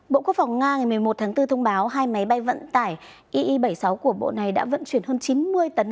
bộ quốc phòng nga ngày một mươi một tháng bốn thông báo hai máy bay vận tải ie bảy mươi sáu của bộ này đã vận chuyển hơn chín mươi tấn